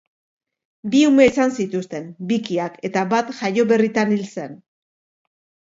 Bi ume izan zituzten, bikiak, eta bat jaio-berritan hil zen.